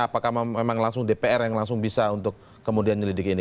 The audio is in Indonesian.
apakah memang langsung dpr yang langsung bisa untuk kemudian menyelidiki ini